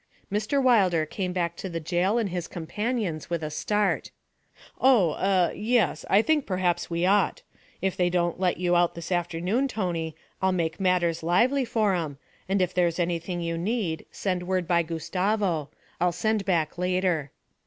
Mr. Wilder came back to the jail and his companions with a start. 'Oh, eh, yes, I think perhaps we ought. If they don't let you out this afternoon, Tony, I'll make matters lively for 'em, and if there's anything you need, send word by Gustavo I'll send back later.'